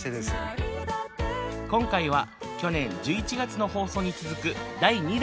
今回は去年１１月の放送に続く第２弾！